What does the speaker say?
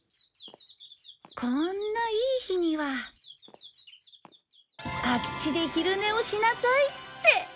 こんないい日には空き地で昼寝をしなさいって！